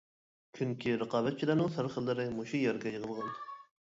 چۈنكى رىقابەتچىلەرنىڭ سەرخىللىرى مۇشۇ يەرگە يىغىلغان.